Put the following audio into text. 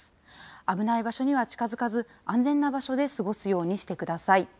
危ない場所には近づかず、安全な場所で過ごすようにしてください。